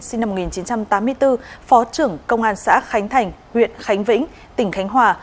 sinh năm một nghìn chín trăm tám mươi bốn phó trưởng công an xã khánh thành huyện khánh vĩnh tỉnh khánh hòa